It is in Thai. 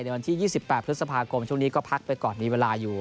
วันที่๒๘พฤษภาคมช่วงนี้ก็พักไปก่อนมีเวลาอยู่